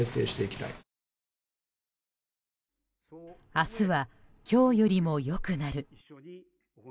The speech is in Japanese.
明日は今日よりも良くなる。